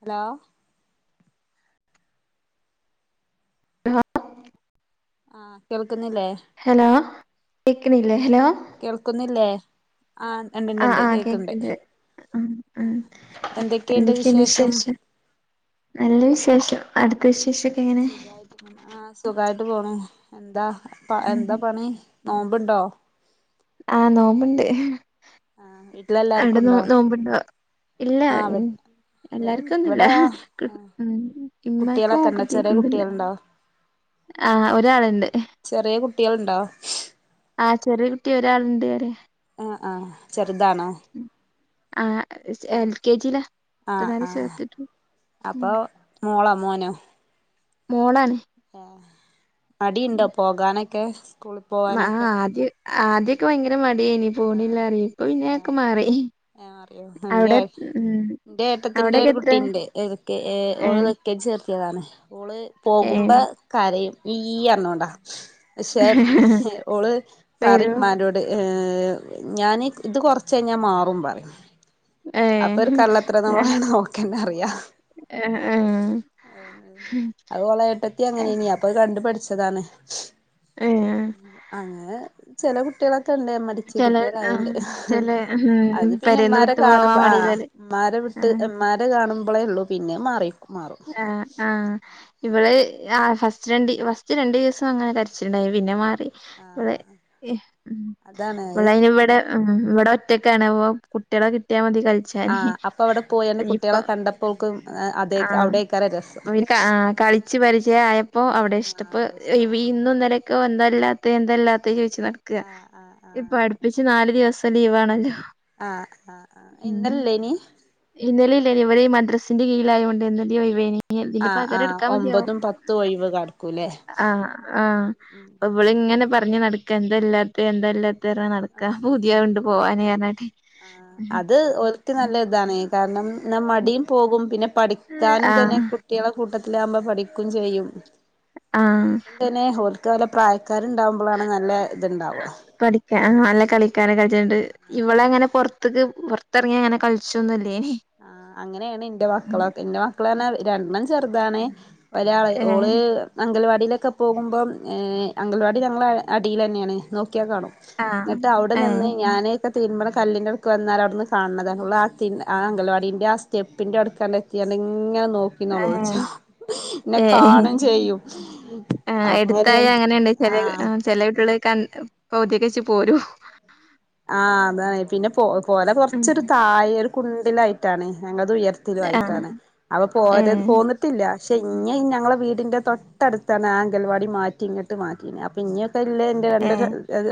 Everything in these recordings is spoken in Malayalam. ഹലോ [unintelligible] ആഹ് കേൾക്കുന്നില്ലേ? കേക്ക്ണില്ലേ? കേൾക്കുന്നില്ലേ? ആഹ് ആഹ് ഇണ്ട്ണ്ട്ണ്ട് ആഹ് കേക്ക്ണ്ട്. കേക്കണ്ട് ഉം ഉം എന്തെക്കേണ്ട് വിശേഷം? നല്ല വിശേഷം. അടുത്ത വിശേഷൊക്കെ എങ്ങനെ സുഖായിട്ട് പോണ്. ആ സുഖായിട്ട് പോണ് എന്താ പ എന്താ പണി? നോമ്പിണ്ടോ ആഹ നോമ്പണ്ട് ആഹ് വീട്ടിലെല്ലാർക്കും അവിടെ നോ ഉണ്ടോ നോമ്പിണ്ടോ ഇല്ല ആഹ് ഇവ എല്ലാർക്കും ഇവിടെണ്ട് ഒന്നും ഇല്ല ഇവിടെ ആഹ് ഉ ഇമ്മക്കും കുട്ടികളൊക്കെ ഉണ്ടോ ചെറിയ കുട്ടിയക്കൊന്നുമല്ല കുട്ടികളുണ്ടോ ആഹ ഒരാളുണ്ട് ചെറിയ കുട്ടികളുണ്ടോ ആഹ ചെറിയ കുട്ടി ഒരാളുണ്ട് അരെ ആ ആ ചെറുതാണോ ആ എൽ കെ ജി ആഹ് ഇപ്പതിനാല് [unintelligible] ആഹ് ചേർത്തിട്ടു ഉം അപ്പൊ മോളോ മോനോ മോളാണ് ആ മടിണ്ടോ പോകാനൊക്കെ സ്കൂളിൽ പോകാനൊക്കെ ആദ്യമൊക്കെ ഭയങ്കര മടിയയിനി പോണില്ല പറയും ഇപ്പൊ പിന്നെ ആഹ് ഒക്കെ മാറി അറിയോ എന്റെ അവിടെ ഉം എന്റെ ഏട്ടത്തിന്റെ അവിടൊക്കെ ഒരു എത്ര കുട്ടിണ്ട് ഇതൊെ ഏഹ് ഓള് ഓള് പോകുമ്പോ ഏഹ് കരയും ഈ എന്നാ കൊണ്ടാ പക്ഷെ ഓള് പറയും വരും മാരോട് ഞാന് ഇത് കൊറച്ചു കഴിഞ്ഞ മാറും പറയും അപ്പൊ ഒരു ഏഹ് കള്ളത്തരം ഞാൻ [unintelligible] നോക്കന്ന അറിയാ ഏഹ് അത് ഓള് ഏട്ടത്തി അങ്ങനെ ഏഹ് തന്നെയാ അപ്പൊ കണ്ടു പഠിച്ച് താണ് ഏഹ് അങ്ങനെ ചില കുട്ടികള [unintelligible] ചെല ആഹ് കുട്ടികളണ്ട് ചെല ഉം അത് പെരേന്ന് പിന്നെമാരെ വിട്ടു കാണ പോവാൻ ആഹ് മടിയില്ലോല് ഇമ്മാരെ വിട്ട് ആഹ് ഇമ്മാരെ കാണുമ്പളേള്ളൂ പിന്നെ മാറി. മാറും ആഹ് ആഹ് ഇവള് ആ ഫസ്റ്റ് രണ്ട് ഫസ്റ്റ് രണ്ട് വസം അങ്ങനെ കര ച്ചിലിണ്ടായി പിന്നെ മാറി. അതെ, അതാണ് അത് ഇവള് അയിന് ഇവ്ടെ മ് ഇവടെ ഒ റ്റക്കാണ്. അപ്പ കുട്ടിളെ കിട്ടിയാൽ മതി. കളിച്ചാന് ആഹ് അപ്പ അവിടെ പോയാണ്ട് ഇപ്പൊ കുട്ടിളെ കണ്ടപ്പോൾ ഓൾക്ക് അതെയ് അവ്ടെക്കാരം ര ഒര് ആഹ് കളിച്ച് പരിചയ ആയപ്പ അവിടെ ആ ഇഷ്ടപ്പ് അവിടെ ഇഷ്ടാവും വി ഇന്നു ഇന്നലെക്കെ ഇപ്പ എന്തല്ലാത്ത എന്തല്ലാത്ത ചോയിച്ച് നടക്ക്. ആ ആ ആ ഇപ്പ അട്പ്പിച്ച് നാല് ദിവസം ലീവ് ആണല്ലോ. ആഹ് ആഹ് ആഹ് ഇന്നല്ലേനി ഇന്നലെ ഇവര് ഈ മദ്രസിന്റെ കീഴിൽ ആയോണ്ട് ഇന്ന് ലീവ് ഏനി. ഇഞ്ഞ് ഇതിന്റെ ആ ആ പകരം ഇട്ക്കാമതിയാവും. ഒമ്പതും പത്തും ഒഴിവ് കടക്കൂല്ലേ ആഹ് ആഹ് ഇവള് ഇ ഇങ്ങനെ പറഞ്ഞ് നടക്ക് എന്തല്ലാത്തെ എന്തല്ലാത്തെർഞ്ഞ് നടക്ക് പൂതി ആവ്ണ്ട്‌ പോവാന്ർഞ്ഞാട്ട്. ആഹ് അത് ഒത്തി നല്ല ഇതാണ് കാരണം- എന്ന മടിയും പോകും പിന്നെ പഠിക്കാനും തന്നെ ആഹ് കുട്ടികളെ കൂട്ടത്തിലാകുമ്പോ പഠിക്കും ചെയ്യും- ആഹ് തന്നെ ഹോക്ക്ല്ല പ്രായ- കരുണ്ടാവുമ്പോളാണ് നല്ല ഇത് ഉണ്ടാവുക- പഠിക്കാൻ ആ നല്ല കളിക്കാനെ കളിച്ചിട്ടുണ്ട് ഇവള അങ്ങനെ പുറത്തേക്ക് പുറത്തിറങ്ങി അങ്ങനെ കളിച്ചോന്നും- ആ അങ്ങനെയാണ് എന്റെ മക്കളെ എന്റെ മക്കള തന്നെ രണ്ടെണ്ണം ചെറുതാണേ- ഒരാള് ഏ ഓള് അംഗനവാടിയിൽ- ടിയിലെക്കെപോകുമ്പം ഏഹ് അംഗനവാടി അടിയി തന്നെയാണ്- [unintelligible] ആഹ് എന്നിട്ട് അവിടെ ഏ നിന്ന് ഞാനേ- [unintelligible] കല്ലിൻന്റെ അട്ത്ത് വന്നാലവിടുന്ന് കാൺത് അവളാതിണ്ണ ആഹ് - അംഗനവാടിന്റെ ആ സ്റ്റെപ്പിന്റെ അട്ക്കാലിങ്ങനെ നോക്കന്നോളൂ ഒളിച്ച എന്നെ ഏ ഏ കാണും ചെയ്യും- ആ എടുത്തായ അങ്ങനെയാണ് അങ്ങനെണ്ട് ചെ ചെല ആഹ് കുട്ടിൾ ക [unintelligible] പൗതിക്കെ വെച്ച് പോര്- ആഹ് അതാണ് പിന്നെ പൊ പൊര ഉം കൊറച്ചൊരു തായ ഒരു കുണ്ടിലായിട്ടാണ് ഞങ്ങൾ - ഇത് ആഹ് ഉയർത്തിലുആയിട്ടാണ് അവ ഏ പോര പോന്നിട്ടില്ല- പക്ഷേ ഇങ്ങ ഞങ്ങളെ വീടിൻ്റെ തൊട്ടടുത്താണ് ആ അംഗനവാടി മാറ്റി ഇങ്ങിട്ട് മാറ്റി അപ്പം ഇനി- കല്ല് എന്റെ ഏ രണ്ട്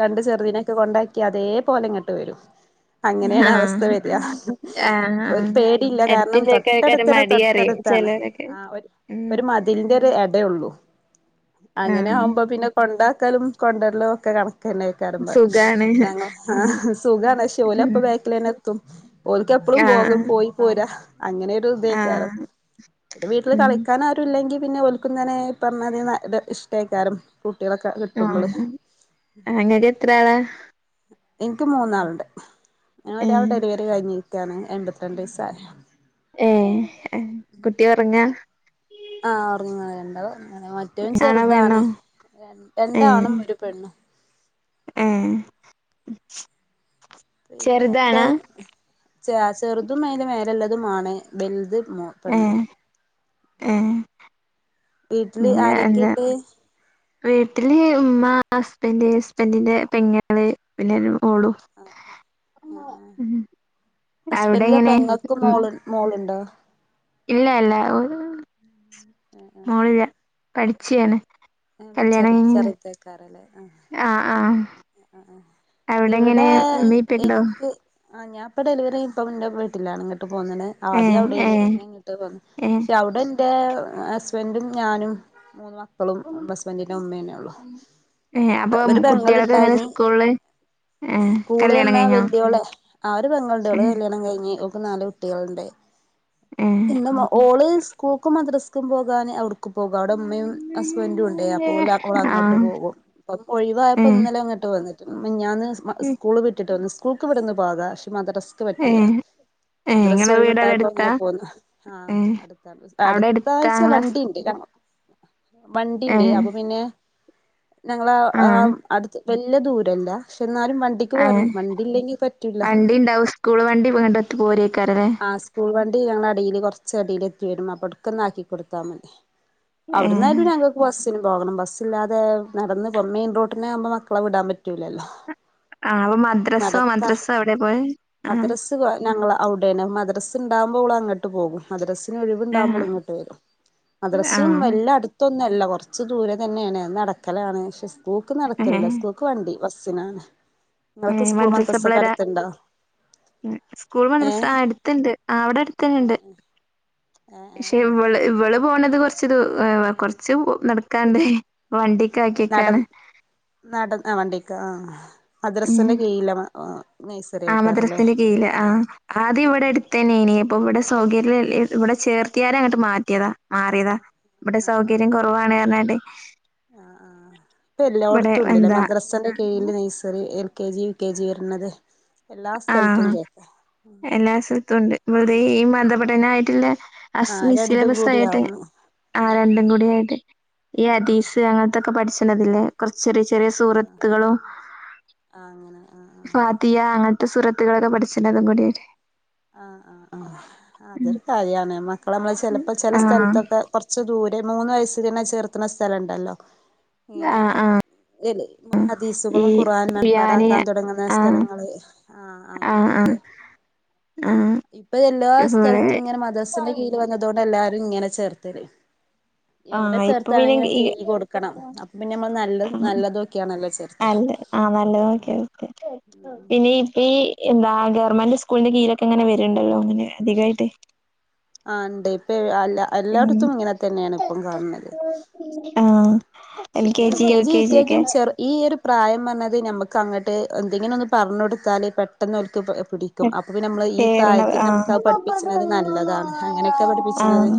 രണ്ടു ചെറുതനയൊക്കെ കൊണ്ടാക്കി അതേ പോലെ ഇങ്ങോട്ട് വരും- അങ്ങനെയാണ് അവസ്ഥ ആഹ് വരിക ആഹ് ഒരു ആഹ് പേടില്ല കാരണം എടുത്തില്ലേക്കാര തൊട്ടടുത്തിടെ മടി തൊട്ടടുത്ത്- അറിയും ത്താണ് ചിലരൊക്കെ ആഹ് ഉം ഒരു മതിലിൻ്റെ ഒരു എടയെ ഒള്ളൂ- അങ്ങനെ ആഹ് ആവുമ്പോ പിന്നെ കൊണ്ടാക്കലും കൊണ്ടല്ലലും ഒക്കെ കണക്ക തന്നെ വക്കാറുമ്പോ സുഖാണ് ഞങ്ങ ഉം ആഹ് സുഖാണ്ക്ഷേ ഓല ഉം അപ്പ ബാക്കിൽ തന്നെ എത്തും ഓലക്ക് എപ്പഴും പോകും ആഹ് പോയി പോരാ- അങ്ങനെൊരു ആഹ് [unintelligible] പിന്നെ വീട്ടില് ഉം കളിക്കൻ ആരു ഇല്ലെങ്കിൽ- പിന്നെ ഒൽക്കുന്ന തന്നെ പറഞ്ഞത് ഇഷ്ടമായിക്കാരും- കുട്ടികളൊക്കെ കിട്ട്മ്പള്- ആഹ് ഇങ്ങക്ക് എത്ര ആളാ എനിക്ക് മൂന്നാളുണ്ട് ഞാൻ ഒരാൾ ഏഹ് ഡെലിവറി കഴിഞ്ഞിരിക്കയാണ് എൺമ്പത്തിരണ്ട് ദിസായ്- ഏഹ് ആഹ്‌ കുട്ടി ഒറങ്ങാ? ആഹ് ഒറങ്ങുവാ [unintelligible] [unintelligible] മറ്റവൻ ആണോ പെണ്ണോ ചെറ്താണ് രണ്ടാണും ഒരു പെണ്ണും ആഹ് പിന്നെന്റെ ച ചെറുതും [unintelligible] മാണ് വൽത് മോ പെണ്ണ് ഏഹ് ഏഹ് വീട്ടില് ഇല്ല എന്താ ആരൊക്കെയ്ണ്ട് വീട്ടില് ഉമ്മ ഹസ്ബൻഡ് ഹസ്ബറ്റിന്റെ പെങ്ങള് പിന്നൊരു മോളു ആഹ് ആഹ് അവിടെ ഹസ്ബൻഡിന്റെ എങ്ങനെ പെങ്ങക്ക് ഉം മോള് മോളുണ്ടോ ഇല്ല ഇല്ല [unintelligible] മോളില്ലാ പഠിച്ചിയാണ് ആഹ് ചെറു ചെറുതേക്കാറല്ലേ ആഹ് ആഹ് ആഹ് അവിടെ എങ്ങനെ ഇവടെ ഉമ്മീം ഉപ്പീം ഉണ്ടോ എൻക്ക് ആഹ് ഞാപ്പ ഡെലിവറിഴിഞ്ഞിപ്പം ഇന്റെ വീട്ടിലാണ് ഇങ്ങ ട്ട് പോന്ന്ണ് ആദ്യം ഏഹ് അവിടെനി ഏഹ് പിന്നെ ഇങ്ങോട്ട് പോന്ന് ഏഹ് പഷേ അവടെന്റെ ഹസ്ബൻ്റും ഞാനും മൂന്ന മക്കളും ഹസ്ബന്റിന്റെ ഉമ്മേനെള്ളൂ ഏഹ് അപ്പൊ ഒരു പെങ്ങളും കുട്ടികളൊക്കെ എങ്ങനെ സ്കൂളില് ഏഹ് സ്കൂള് കല്യാണം തന്നാ കഴിഞ്ഞോ വല്ല്യോള് ആ ഒര് പെങ്ങളെയുള്ള് ഏഹ് കല്യാണം കഴിഞ്ഞ് നാല് കുട്ടികള്ണ്ട് ഏഹ് ഓള് സ്കൂക്കും മദ്രസക്കും പോക പോകും അവിടെ ഉമ്മയും ഹസ്ബൻ്റും ഉണ്ടേ അപ്പൊല് അവടെ അങ്ങട്ട് ആഹ് പോകും അപ്പ ഒഴിവ ഇപ്പോൾ ഏഹ് ഇന്നലെ അങ്ങോട്ട് വിട്ട് മെനഞ്ഞാന്ന് സ്കൂള് വിട്ടിട്ട് വന്ന് സ്കൂൾക്ക് ഇവിട്ന്ന് പാടാ മദ്രസക്ക് പറ്റൂല ഏഹ് ഏഹ് മദ്രാസ് ഇങ്ങളെ വഴി വീടവിടെ വിട്ടായപ്പോ അടുത്താ മോൻ പോന്നു ആ ഏഹ് അവിടെ അടുത്താ അടുത്താഴ്ച ഇങ്ങളെ സ് വണ്ടിണ്ട് വണ്ടിന്റെ ഏഹ് അപ്പൊ പിന്നെ ഞങ്ങള ആ ആഹ് അടുത്ത് വല്ല്യാ ദൂരല്ല പക്ഷ എന്നാലും വണ്ടിക്ക് ഏഹ് വരണം വണ്ടി ഇല്ലെങ്കി പറ്റൂല വണ്ടി ഇണ്ടാവും സ്കൂൾ വണ്ടി ഇങ്ങട്ടൊത്ത് പോരേക്കാരല്ലേ ആ സ്കൂൾ വണ്ടി ഞങ്ങ അടിയില് കുറച്ച അടില് എത്തി വരും അപ്പടുക്കന്ന ആക്കി കൊടുത്താൽ മതി ഏഹ് അവിടുന്നാലും പി ഞങ്ങക്ക് ബസ് ന് പോകണം ബസ്സില്ലാതെ നടന്ന് മെയിൻ റോട്ടിനാമ്പോ മക്കളെ വിടാൻ പറ്റൂിലല്ലോ ആഹ് അപ്പൊ മദ്രസോ നടക്ക മദ്രസോ എവിടെ പോയെ ആഹ് മദ്രസ് ഞങ്ങള നു മദ്രസ് ഉണ്ടാകുമോ ഇവള് അങ്ങട്ട് പോകും മദ്ര ഒഴിവുണ്ടാവുമ്പോൾ ആഹ് ഇങ്ങട്ട് വരും മദ്രസ ആഹ് വല്ല അടുത്ത ന്നല്ല കുറച്ച് ദൂരെ തന്നെയാണ് നടക്കലാണ് പക്ഷെ സ്കൂൾക്ക് നടക്കലല്ല സ്കൂൾക്ക് വണ്ടി സിനാണ് മദ്രസപിള്ളേരാ സ്കൂൾ ഏ മദ്രസ ണ്ട് അവിടടുത്തന്നണ്ട് ഏ പക്ഷെ ഇവ്ള് ഇവി പോണത് കൊറച്ച് ദൂ കൊറച്ച് നടക്കാന്ണ്ട് നട വണ്ടികാക്കിക്കാണ് നട ആ വണ്ടിക്ക് ആ ഉ മദ്രസിന്റെ കീഴിലെ നഴ്സറി ആ ആക്കാറല്ലേ മദ്രസിന്റെ കീഴില് ആ ആദ്യ ഇവിടെ അടുത്തന്നെ ഇനി ഇപ്പൊ ഇവിടെ സൗകര്യ ഇവിടെ ചേർത്തിയെ അങ്ങട്ട് മാറ്റിയതാ മാറിയതാ ഇവിടെ ആ സൗകര്യം ആ കുറവാണ് കാരണാ ആ ആ ഇപ്പൊ എല്ലായിടത്തും ഉണ്ടല്ലേ മദ്രാസന്റെ കീഴില് nursery K G U K G വരണത് ആ എല്ലാ സ്ഥലത്തും ഉണ്ട് ഇവിടെ ഈ മതപഠന ആയിട്ടുള്ള അ ആ മിസ്സിലെ രണ്ടും ബസ്സായിട്ട് കൂടിയാവുന്നു ആ രണ്ടും കൂടി ആയിട്ട് ഈ അതീസ് അങ്ങനത്തൊക്കെ പഠിച്ചണ്ടതില്ലേ കൊറച്ചൊരു ചെറിയ ചെറിയ സുഹൃത്തുകളും ആ അങ്ങനെ ആ ഫാതിയ അങ്ങനത്തെ സുറത്തുകളൊക്കെ പഠിച്ചിനതും കൂടിട്ട് ആ ആഹ് ആ അതൊരു കല്യാണേ മ ക്കള് നമ്മ ചിലപ്പോ ചില ആഹ് സ്ഥലത്തൊക്കെ കൊറച്ച് ദൂരെ മൂന്ന് വയസ്സിങ്ങനെ ചേർത്തുന്ന സ്ഥലണ്ടല്ലോ ആ ആ ഹദീസുകളും ഖുറാൻ ഖുർആന് മനപാടാക്കാൻ തുടങ്ങുന്ന സ്ഥലങ്ങള് ആ അങ്ങനെ ആ ഇപ്പൊ എല്ലാ ഇവള് സ്ഥലത്തും ഇങ്ങനെ മദസ്സിന്റെ കീഴില് വന്നത് കൊണ്ട് എല്ലാരും ഇങ്ങനെ ചേർത്തല് എവിടെ ആഹ് ഇപ്പൊ പിന്നെ ചേർത്താണെങ്കിലും ഈ ഫെയ് കൊടുക്കണം അപ്പൊ പിന്നെ നമ്മൾ നല്ല നല്ലതൊക്കെയാണല്ലോ ചേർത്ത് ആഹ് നല്ല നോക്കെ ഓക്കെ പിന്നെ ഇപ്പ ഈ എന്താ ഗവൺമെന്റ് സ്കൂളിന്റെ കീഴൊക്കെ എങ്ങനെ വരുണ്ടല്ലോ അങ്ങനെ അധികമായിട്ട് ആ ഇണ്ട് ഇപ്പൊ അല്ലാ എല്ലായിടത്തും ഇങ്ങനെ തന്നെയാണ് ഇപ്പം കാണ്ന്നത് ആ പിന്നെ L K G U K ജിയും ചെറ് ഈ ഒരു പ്രായം പറഞ്ഞത് നമ്മക്ക് അങ്ങോട്ട് എന്തെങ്കിലും ഒന്ന് പറഞ്ഞൊടുത്താല് പെട്ടെന്ന് ഒൽക്ക് പിടിക്കും അപ്പൊ നമ്മള് ഈ കേറണത് പ്രായത്തിൽ നമുക്ക് ആഹ് ആ പഠിപ്പിച്ചണത് നല്ലതാണ് അങ്ങനെയൊക്കെ പഠിപ്പിച്ചുന്നത്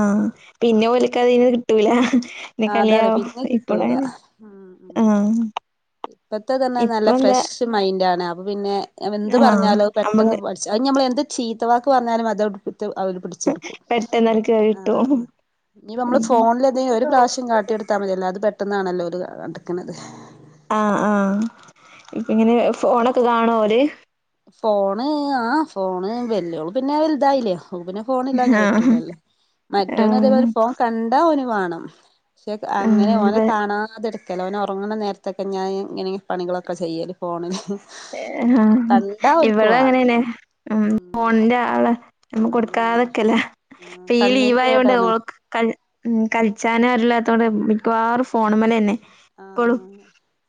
ആഹ പിന്നെ ഓലക്ക അതിന് കിട്ടൂല പിന്നെ ആ അതതെ കളിയാവും പിന്നെ ഇപ്പളെ കിട്ടൂല ഉ ആഹ് ഇപ്പത്തെ തന്നെ നല്ല ഇപ്പൊ എന്താ ഫ്രഷ് മൈൻഡ ആണ് അ പിന്നെ എന്ത് ആഹ് പറഞ്ഞാലോ നമ്മള് പെട്ടെന്ന് പഠിച്ച അത് നമ്മൾ എന്ത് ചീത്തവാക്ക് പറഞ്ഞാലും അതോട് അവ പിടിച്ചെടുക്കും പെട്ടെന്നോൽക്ക് ആ കിട്ടും ഇനി നമ്മള് ഉം ഫോണില ഒരു പ്രാവശ്യം കാട്ടിയെടുത്താൽ മതിയല്ലോ അത് പെട്ടെന്നാണല്ലോ ഒരു കിക്കണുന്നത് ആഹ ആഹ ഇപ്പ ഇങ്ങനെ ഫോണൊക്കെ കാണോര് ഫോണ് ആ ഫോണ് വല്ലുള് പിന്നെ വലുതായില്ലേോ ബിനെ ഫോൺ ഇല്ലാ ാൻ ആഹ് പറ്റൂലല്ലേ മറ്റോന്ന് അതേല ആഹ് ഒരു ഫോൺ കണ്ടാ നി വേണം പക്ഷെ ആഹ് അങ്ങനെ ഇവ ഓനെ കാണാതെടു ചിലവന ഉറങ്ങുന്ന നേരത്തൊക്കെ ഞാൻ ഇങ്ങനെയെങ്ങെ പണികളൊക്കെ ചെയ്യ ഫോണിൽ ആ ഇവള വാണം അങ്ങനെന്നെ ഉ ഉം ഫോണിന്റെ ആള് നമ്മ അതാണ് കൊടുക്കാതൊക്കെല്ല ആ ഇപ്പൊ ഈ കണ്ണിന് ലീവ് ആയത കൊണ്ട് കേടാണ് ക ഉ കളിച്ചാന അരില്ല അോടെ മിക്കവാറും ഫോൺ മല തന്നെ ആ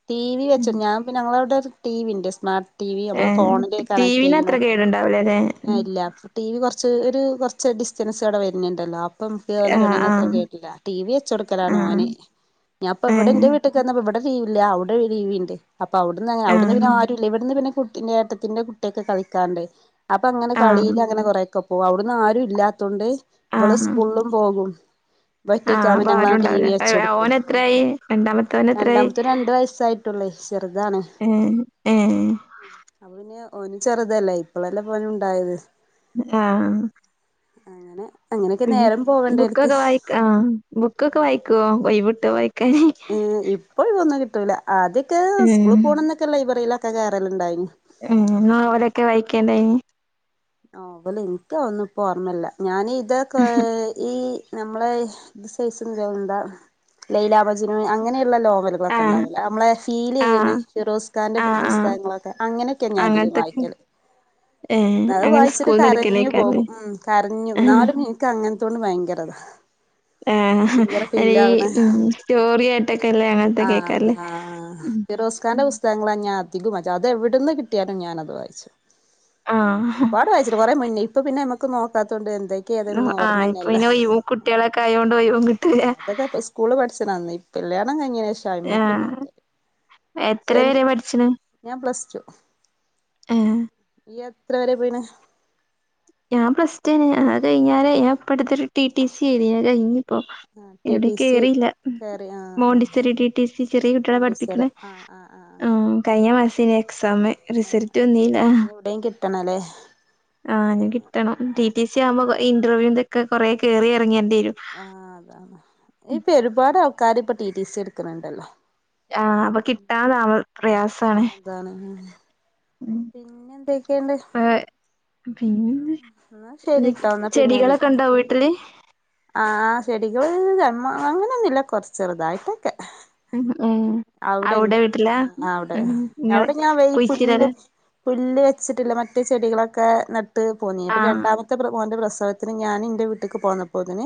ടി വി വെച്ച ഞൻ ഞങ്ങളവിടെ ടി വി ഉണ്ട് സ്മാർ് ടി വി നമ്മള് ഏഹ് ഫോണില് ടി കണക്ട് വിന് അത്ര ചെയ കേടുണ്ടാവൂലല്ലേ ഇല്ല ടി വി കുറച്ച് കുറച്ച് ഡിസ്റ്റൻസ് ഇടെ വരുന്നുണ്ടല്ലോ ഇപ്പലെ ആഹ് കണ അത്ര ആഹ് കേട്ടില്ല ടി വി വെച്ച കൊടുക്കലാണ് ആഹ് ഓന്െഞാപ്പൊ ഇവിടെ ഏഹ് ഇ ഇവിടെ രീവല്ല അവിടെ രീവുണ്ട് അപ്പൊവിന്ന് അവിടുന്ന് ആഹ് പിന്നെ ആും ഇവിടുന്ന് പിന്നെ കുട്ടിന്റെ ഏട്ടത്തിന്റെ കുട്ടിയൊക്കെ കളിക്കാറുണ്ട് അപ്പൊ അങ്ങനെ ആഹ് കളിയില് അങ്ങനെ കുറ ക്കപ്പോ അവിടന്ന് ആര ഇല്ലാത്തോണ്ട് ഇവള് ആഹ് സ്കൂളിലും പോകും ആഹ് പറ്റക്കാുമ്പോ അപ്പൊ ഞങ്ങ ആ ടി വി ആരുണ്ടാവൂല വച്ച കൊടുക്കും ഓനെത്രായി രണ്ടാമത്തോനെത്രായി രണ്ടാമത്തെും രണ്ട വയസ്സായി േ ചെറുതാണ് ഏഹ് ഏഹ് അ പിന്നെ ഓന് ചെറുതല്ലേ ഇപ്പളല്ലെ പോനും ഉണ്ടായത് ആഹ അങ്ങനെ അങ്ങനെയൊക്കെ പിന്നെ നേരം പോവണ്ടേൽക്ക് ബുക്കൊക്കെ വായിക്ക ആ ബുക്കൊക്കെ വായിക്കുവോ വൈബുട്ട വായിക്ക ഇപ്പോഴ ഒന്നും കിട്ടൂല ആദ്യൊക്കെ ഏഹ് സ്കൂള പോണംന്നൊക്കെ ലൈബ്രറിയിലൊക്കെ കയറലുണ്ടായി ഉ അവരൊക്കെ വായിക്കേണ്ടായിനി നോവല് എനിക്കാതൊന്നും ഇപ്പോ ഓർമ്മല്ല ഞാൻ ഇതൊ ക്കെ ഈ നമ്മളെ ഇത് സൈസ് എന്താ ലൈലാമജ്നു അങ്ങനെ ക്കെള്ള നോവലുകളൊക്കെ ആഹ് ഇണ്ടാവൂല്ലോ നമ്മളെ ഫീൽ ചെയ്യണ ആഹ് ഫിറോസ്കാന്റെ ആഹ് ആഹ് പുസ്തകങ്ങളൊക്കെ അങ്ങനെയൊക്കെ ഞാധിക വായിക്കല് ഏ അത് വായിച്ചിട്ട് കരഞ്ഞു പോകും ഉം കരഞ്ഞു ആഹ് നാലും നിക്ക് അങ്ങനത്തോട് ഭയങ്കരതാ ആഹ ആ ഭയങ്കര ഹാ ഫീൽ ഈ ആവണ ഉം സ്റ്റോറി ആയിട്ടൊക്കെല്ലേ അങ്ങനത്തെ കേക്കാറില്ലേ ക്കാന്റെ പുസ്തകങ്ങളാ ഞാധികവും വായ്ച്ചത് അത് എവിടെന്ന് കിട്ടിയാലും ഞാനത് വായിച്ചു ആഹ് ഒരുപാട് വായിച്ചട്ട് കുറെ മുന്നേ ഇപ്പ പിന്നെ നമുക്ക് നോക്കാത്തോണ്ട്ന്ത് അതൊക്ക ഏതൊന്നും ആഹ് ഇപ്പൊ ഓർമ്മന്നല്ല പിന്നെ ഒഴിവും കുട്ടികളൊക്കെ ആയോണ്ട് ഒഴിവും കിട്ടൂല അതൊക്കെ സ്കൂള് പഠിച്ചന്ന് കല്യാണം കഴിഞ്ഞേന് ഷൈമക് ആഹ് എത്ര ശെ വരെ പഠിച്ച്ണ് ഞാൻ പ്ലസ് ടു ഏഹ് ഈയ് എത്ര വരെ പോയിണ്‌ ഞാൻ പ്ലസ് ടു കഴിഞ്ഞല് അത് കഴിഞ്ഞാലേ ഞാൻ ഇപ്പടുത്തെ ഒരു ടി ടി സി എഴുതി അത് കഴിഞ്ഞു അപ്പൊ ആഹ് ടി എവിടേം ടി സി കേറിയില്ല കേറി ആഹ് ആഹ് Montessori T T C ചെറിയ കുട്ടികളെ മോണ്ടിസോറി പഠിപ്പിക്കണ ആഹ് ആഹ് ആഹ് ആ കഴിഞ്ഞ മാസം പിന്നെ എക്സാം റിസൾട്ട് ആഹ് വന്നില്ല ഇനി എവിടെയും കിട്ടണല്ലേ ആ ഇനി കിട്ടണം ടി ടി സി ആവുമ്പോ ഇന്റർവ്യൂന്റെക്കെ കൊറെ കേറി ഇറങ്ങി ആഹ് അതാണ് ഇപ്പൊ ഒരുപാട് ആൾക്കാാര് ഇപ്പ ടി ടി സി എടുക്കണണ്ടല്ലോ ആഅപ്പൊ കിട്ടാതാവും ആ അതാണ് ഉം പിന്നെ എന്തൊക്കെയണ്ട് ഇപ്പ പിന്നെ ചെടികളൊക്കെ ഇണ്ടോ വീട്ടില് ആ ചെടികൾ മ്മ അങ്ങനെന്നുല്ല കൊറച്ചെറുതായിട്ടൊക്കെ ഉം ഉം അവിടെ എന്റെ വീട്ടില ആ അവിടെ ഉം നിങ്ങള് അവിടെ ഞാൻ വെയ് പുല്ല് കുഴിച്ചിടലാ പുല്ല് വെച്ചിട്ടില്ല മറ്റ ചെടികളൊക്കെ നട്ട് പോന്നി പ്പ ആഹ് രണ്ടാമത്തെ പ്ര മോന്റെ പ്രസവം ത്സവത്തിന് ഞാൻ ഇന്റെ വീട്ടക്ക് പോന്നപ്പോതിന്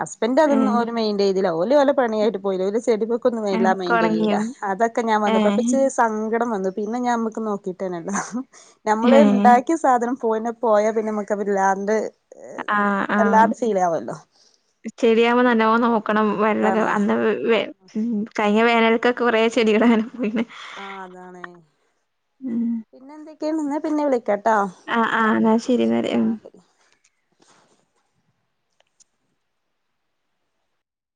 ഹസ്ബൻഡ് അതൊന്നും ഏഹ് ഓര് മൈൻഡ് ചെയ്തില്ല ല ഓല് നല്ല പണിയായിട്ട് പോയില്ല ചെടിവെക്കൊന്നും ഏഹ് എല്ലാം ഒക്കെ മൈൻഡ് ചെയ്യില്ല ഒണങ്ങിയോ അതൊക്കെ ഞാൻ വന്നപ്പോ ഏഹ് പച്ചേ സംങ്ക ടം വന്നു പിന്നെ ഞാൻ നമ്മക്ക് നോക്കിട്ടേന്നല്ല ഹ് നമ്മള് ഏഹ്. ഇണ്ടാക്കിയ സാധനം പോയിനെ പോയാ പിന്നെ നമുക്ക് വല്ലാണ്ട് വല്ലാണ്ട് ഫീൽ ആവല്ലോ ശെരിയാവുമ്പോ നല്ലാവോ നോക്കണം വെള്ളക്കെ അതാണ് അന്ന് വേ മ് കഴിഞ്ഞ വേനൽക്കൊക്കെ കുറേ ചെടി ഇടാനും ആ അതാണെ ഉം. പിന്നെ എന്തൊക്കെയാണ് ന്നാ പിന്നെ വിളിക്കാം കേട്ടോ ആഹ് ആഹ്. ന്നാ ശരി ന്നാല്. ആ ഉം. ശരി